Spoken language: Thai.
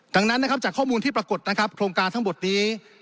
ดังนั้นนะครับจากข้อมูลที่ปรากฏนะครับโครงการทั้งหมดนี้